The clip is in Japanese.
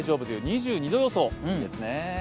２２度予想ですね。